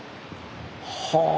はあ。